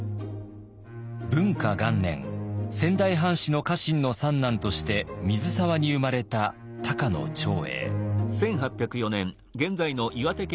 仙台藩士の家臣の三男として水沢に生まれた高野長英。